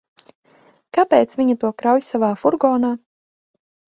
Kāpēc viņa to krauj savā furgonā?